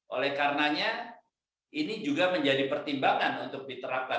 oleh karenanya ini juga menjadi pertimbangan untuk diterapkan